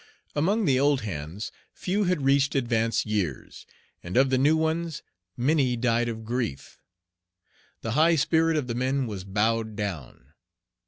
Among the "old hands," few had reached advanced years; and of the new ones, many died of grief. The high spirit of the men was bowed down.